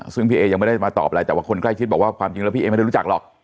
ซึ่งพี่เอยังไม่ได้มาตอบอะไรแต่ว่าคนใกล้ชิดบอกว่าความจริงแล้วพี่เอไม่ได้รู้จักหรอก